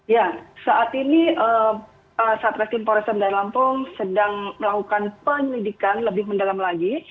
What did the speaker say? ya saat ini satres kimpo restoran bandar lampung sedang melakukan penyelidikan lebih mendalam lagi